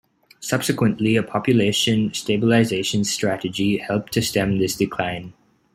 Subsequently, a population stabilisation strategy helped to stem this decline.